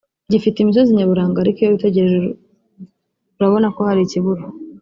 gifite imisozi nyaburanga ariko iyo witegereje urabona ko hari ikibura